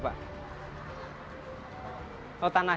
oh ini adalah tanah